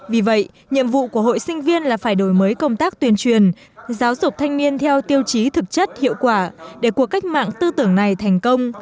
vì vậy nhiệm vụ của hội sinh viên là phải đổi mới công tác tuyên truyền giáo dục thanh niên theo tiêu chí thực chất hiệu quả để cuộc cách mạng tư tưởng này thành công